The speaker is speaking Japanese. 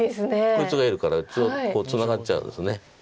こいつがいるからツナがっちゃうんです。